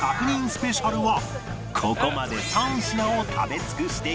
スペシャルはここまで３品を食べ尽くしてきたが